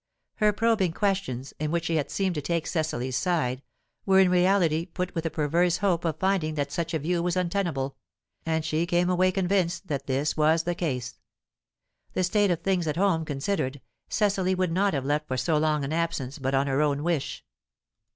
Her probing questions, in which she had seemed to take Cecily's side, were in reality put with a perverse hope of finding that such a view was untenable, and she came away convinced that this was the case. The state of things at home considered, Cecily would not have left for so long an absence but on her own wish.